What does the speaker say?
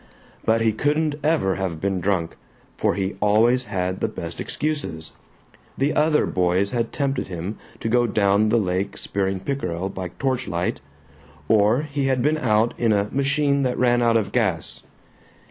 But he couldn't ever have been drunk, for he always had the best excuses: the other boys had tempted him to go down the lake spearing pickerel by torchlight, or he had been out in a "machine that ran out of gas."